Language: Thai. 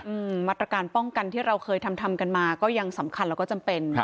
อืมมาตรการป้องกันที่เราเคยทำทำกันมาก็ยังสำคัญแล้วก็จำเป็นครับ